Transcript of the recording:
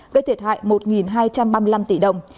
gây thiệt hại một hai trăm ba mươi năm tỷ đồng